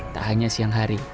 tak hanya siang hari